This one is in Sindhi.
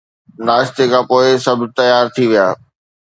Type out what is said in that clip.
ناشتي کان پوءِ سڀ تيار ٿي ويا